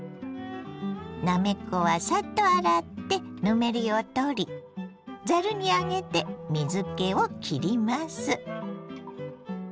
なめこはサッと洗ってぬめりをとりざるに上げて水けをきります。